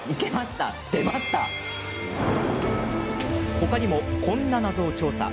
他にも、こんな謎を調査。